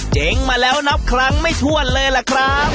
เจ๊งมาแล้วนับครั้งไม่ถ้วนเลยล่ะครับ